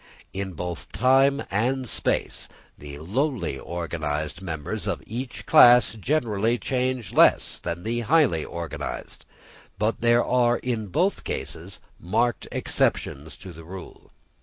In both time and space the lowly organised members of each class generally change less than the highly organised; but there are in both cases marked exceptions to the rule.